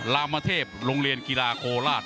รามเทพโรงเรียนกีฬาโคราช